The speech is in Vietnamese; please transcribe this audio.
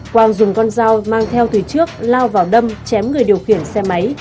quang dùng con dao mang theo từ trước lao vào đâm chém người điều khiển xe máy